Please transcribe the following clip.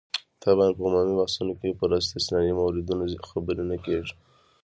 طبعاً په عمومي بحثونو کې پر استثنايي موردونو خبرې نه کېږي.